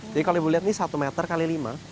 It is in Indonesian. jadi kalau ibu lihat ini satu meter kali lima